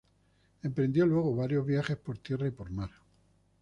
Emprendió luego varios viajes por tierra y por mar.